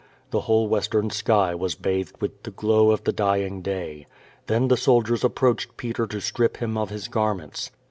The whole western sky was bathed with the glow of the dying day. Then the soldiers approached Peter to strip him of his garments.